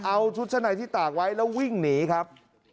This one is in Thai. เอาชุดชั้นในที่ตากไว้แล้ววิ่งหนีครับ